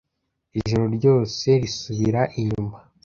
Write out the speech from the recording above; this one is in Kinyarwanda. Ijoro ryose risubira inyuma;